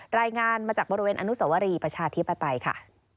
รายงานมาจากบริเวณอนุสวรีประชาธิปไตยค่ะ